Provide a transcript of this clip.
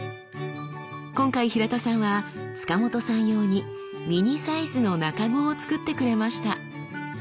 今回平田さんは塚本さん用にミニサイズの茎をつくってくれました。